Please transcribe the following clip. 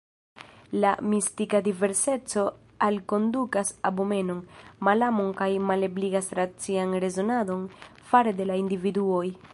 La mistika diverseco alkondukas abomenon, malamon kaj malebligas racian rezonadon fare de la individuoj.